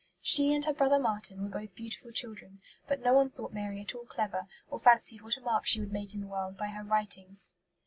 She and her brother Marten were both beautiful children; but no one thought Mary at all clever, or fancied what a mark she would make in the world by her writings.